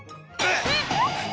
えっ⁉